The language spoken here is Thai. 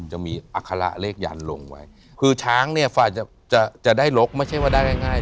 จะมีอัคระเลขยันลงไว้คือช้างเนี่ยฝ่ายจะจะได้ลกไม่ใช่ว่าได้ง่าย